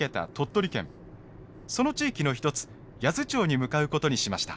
その地域の一つ八頭町に向かうことにしました。